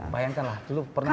bayangkanlah dulu pernah ada